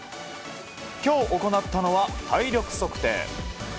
今日行ったのは体力測定。